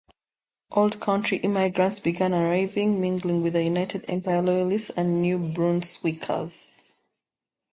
Old Country immigrants began arriving, mingling with the United Empire Loyalists and New Brunswickers.